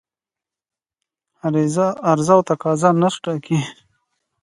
عرضه او تقاضا نرخ ټاکي